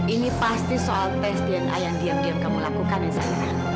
ini pasti soal tes dna yang diam diam kamu lakukan ya saya